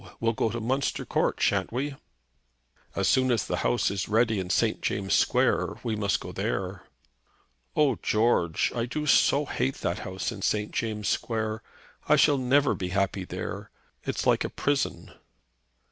We'll go to Munster Court, shan't we?" "As soon as the house is ready in St. James' Square, we must go there." "Oh! George, I do so hate that house in St. James' Square. I shall never be happy there. It's like a prison."